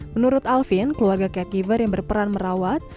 menurut alvin keluarga cakiver yang berperan merawat